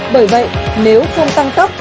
bởi vậy nếu không tăng tốc